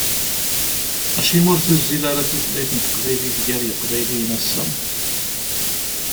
Acimi ur tuzzil ara tutlayt n teqbaylit gar yiqbayliyen ass-a?